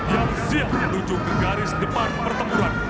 yang siap menuju ke garis depan pertempuran